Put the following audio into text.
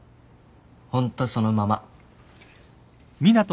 ホントそのまま。